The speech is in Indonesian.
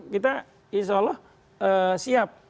kita insya allah siap